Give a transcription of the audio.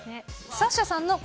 サッシャさんの声